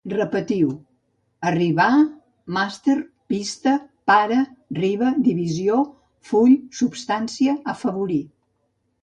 Repetiu: arribar, màster, pista, pare, riba, divisió, full, substància, afavorir